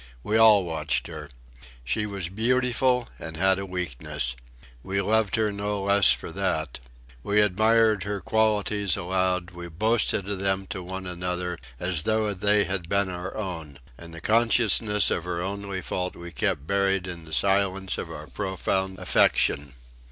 We all watched her. She was beautiful and had a weakness. We loved her no less for that. We admired her qualities aloud, we boasted of them to one another, as though they had been our own, and the consciousness of her only fault we kept buried in the silence of our profound affection.